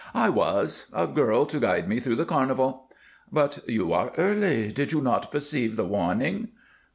"I was. A girl, to guide me through the carnival." "But you are early. Did you not receive the warning?"